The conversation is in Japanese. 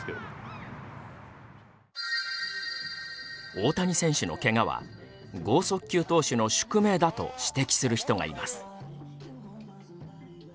大谷選手のけがは剛速球投手の宿命だと指摘する人がいます。